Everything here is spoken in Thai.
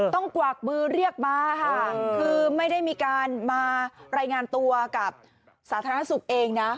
กวักมือเรียกมาค่ะคือไม่ได้มีการมารายงานตัวกับสาธารณสุขเองนะ